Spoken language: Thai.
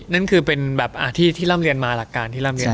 นั่นคือเป็นแบบที่ร่ำเรียนมาหลักการ